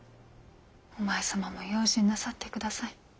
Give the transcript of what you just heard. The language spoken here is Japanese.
お前様も用心なさってください。